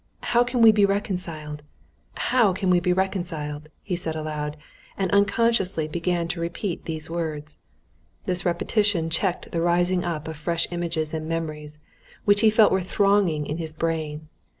How can we be reconciled? how can we be reconciled?" he said aloud, and unconsciously began to repeat these words. This repetition checked the rising up of fresh images and memories, which he felt were thronging in his brain.